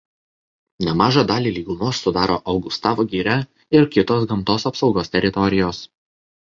Nemažą dalį lygumos sudaro Augustavo giria ir kitos gamtos apsaugos teritorijos.